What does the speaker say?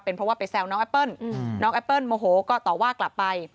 เพราะว่าไปแซวน้องแอปเปิ้ลน้องแอปเปิ้ลโมโหก็ต่อว่ากลับไป